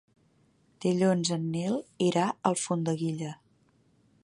Dilluns en Nil irà a Alfondeguilla.